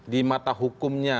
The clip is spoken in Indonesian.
di mata hukumnya